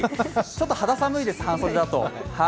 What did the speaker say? ちょっと肌寒いです、半袖だと。